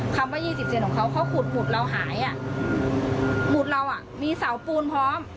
คำว่า๒๐เซนของเขาเขาขุดหุดเราหายอ่ะหมุดเราอ่ะมีเสาปูนพร้อม